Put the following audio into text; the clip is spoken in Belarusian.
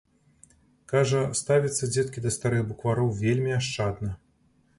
Кажа, ставяцца дзеткі да старых буквароў вельмі ашчадна.